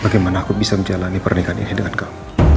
bagaimana aku bisa menjalani pernikahan ini dengan kamu